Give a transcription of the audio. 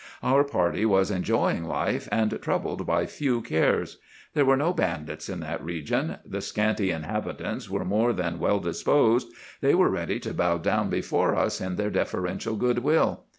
Our party was enjoying life, and troubled by few cares. There were no bandits in that region. The scanty inhabitants were more than well disposed; they were ready to bow down before us in their deferential good will.